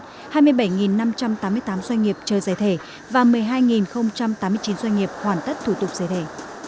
hai mươi bảy năm trăm tám mươi tám doanh nghiệp chơi giải thể và một mươi hai tám mươi chín doanh nghiệp hoàn tất thủ tục giải thể